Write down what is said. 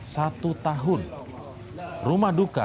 satu tahun rumah duka